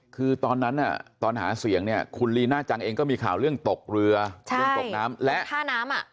คือตอนนั้นตอนหาเสียงเนี่ยคุณลีน่าจังเองก็มีข่าวเรื่องตกเรือเรื่องตกน้ำและท่าน้ำอ่ะ